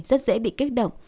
rất dễ bị kích động